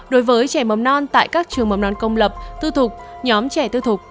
đối với trẻ mầm non tại các trường mầm non công lập tư thuộc nhóm trẻ tư thuộc